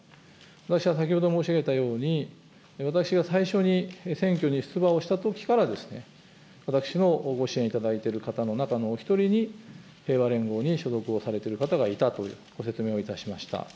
私は先ほど申し上げたように、私が最初に選挙に出馬をしたときから、私のご支援いただいている方の中のお一人に、平和連合に所属をされてる方がいたというふうにご説明をいたしました。